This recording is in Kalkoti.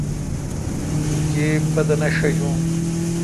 تی گیب پتہ نہ ݭاجون۔